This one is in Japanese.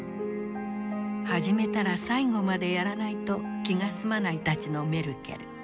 始めたら最後までやらないと気が済まないたちのメルケル。